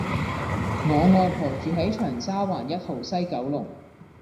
我外婆住喺長沙灣一號·西九龍